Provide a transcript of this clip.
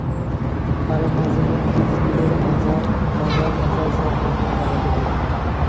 তারা মাঝেমাঝে স্কুলের মজার-মজার সব ঘটনা বাবাকে বলতে আসে।